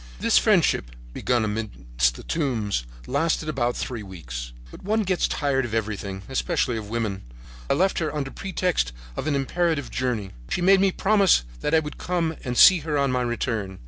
"This friendship, begun amid the tombs, lasted about three weeks. But one gets tired of everything, especially of women. I left her under pretext of an imperative journey. She made me promise that I would come and see her on my return.